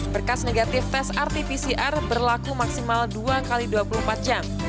berkas negatif tes rt pcr berlaku maksimal dua x dua puluh empat jam